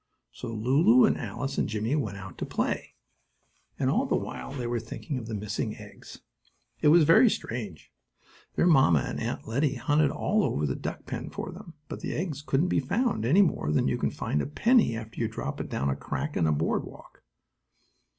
So Lulu and Alice and Jimmie went out to play, but all the while they were thinking of the missing eggs. It was very strange. Their mamma and Aunt Lettie hunted all over the duck pen for them, but the eggs couldn't be found, any more than you can find a penny after you drop it down a crack in the board walk.